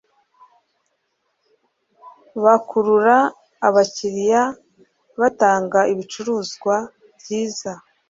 bakurura abakiriya batanga ibicuruzwa byiza